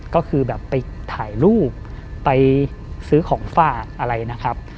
ก็คือแบบไปถ่ายรูปไปซื้อของฝากอะไรนะครับ